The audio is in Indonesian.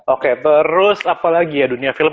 oke terus apa lagi ya dunia film